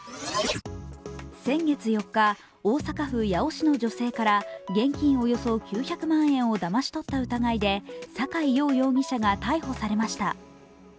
先月４日、大阪府八尾市の女性から現金およそ９００万円をだまし取った疑いで阪井耀容疑者が逮捕されました。